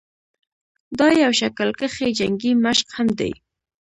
دا يو شکل کښې جنګي مشق هم دے